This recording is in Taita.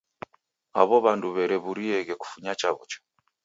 Aw'o w'andu w'erew'urieghe kufunya chaw'ucha